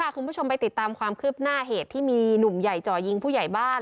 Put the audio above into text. คุณผู้ชมไปติดตามความคืบหน้าเหตุที่มีหนุ่มใหญ่จ่อยิงผู้ใหญ่บ้าน